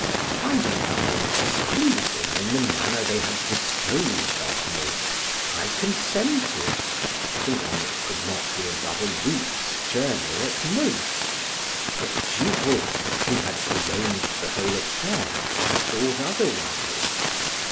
Finding nothing displeasing in the manner they had disposed of me, I consented, thinking it could not be above a week's journey at most; but Giraud, who had arranged the whole affair, thought otherwise.